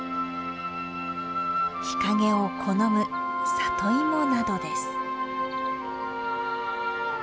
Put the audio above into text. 日陰を好む里芋などです。